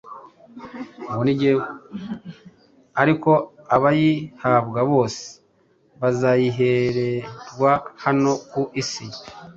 Ariko abayihabwa bose, bazayihererwa hano ku isi